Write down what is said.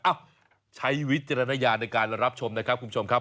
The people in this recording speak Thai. ใช้วิจารณญาณในการรับชมนะครับคุณผู้ชมครับ